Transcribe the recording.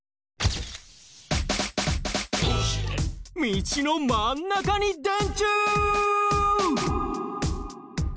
道の真ん中に電柱！？